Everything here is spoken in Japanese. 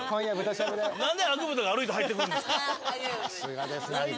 何でアグー豚が歩いて入ってくるんですか。